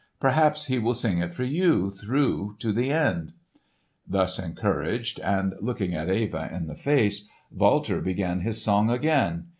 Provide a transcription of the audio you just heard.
Perhaps he will sing it for you through to the end." Thus encouraged and looking Eva in the face Walter began his song again.